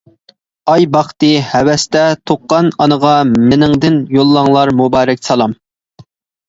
ئاي باقتى ھەۋەستە، تۇغقان ئانىغا، مېنىڭدىن يوللاڭلار مۇبارەك سالام.